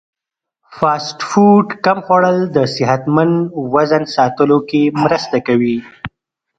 فاسټ فوډ کم خوړل د صحتمند وزن ساتلو کې مرسته کوي.